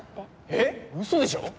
えっウソでしょ？